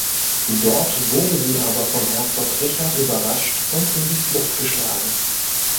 Dort wurden sie aber von Herzog Richard überrascht und in die Flucht geschlagen.